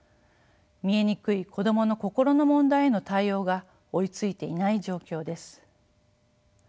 見えにくい子どもの心の問題への対応が追いついていない状況です。